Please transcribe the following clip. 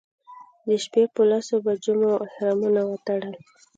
د شپې په لسو بجو مو احرامونه وتړل.